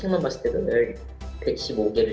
indonesia lebih baik dari thailand